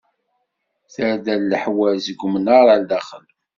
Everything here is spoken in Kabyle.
Tarda n leḥwal, seg umnaṛ ar daxel.